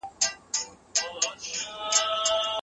که تولید زیات سي اقتصادي پرمختیا رامنځته کیږي.